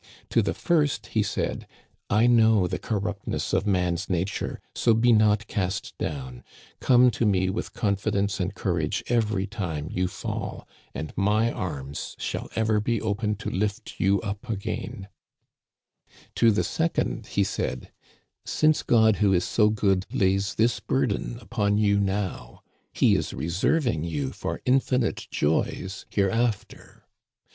To the first he said :*'* I know the corruptness of man's nature, so be not cast down ; come to me with confidence and courage every time you fall, and my arms shall ever be open to lift you up again/ To the second he said: * Since God, who is so good, lays this burden upon you now, he is reserving you for infinite joys hereafter.'